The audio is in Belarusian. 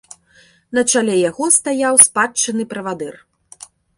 На чале яго стаяў спадчынны правадыр.